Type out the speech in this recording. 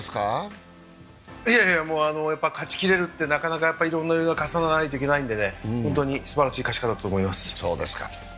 勝ちきれるって、いろんな要因が重ならないといけないので、本当にすばらしい勝ち方だったと思います。